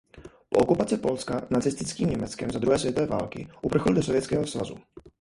Po okupaci Polska nacistickým Německem za druhé světové války uprchl do Sovětského svazu.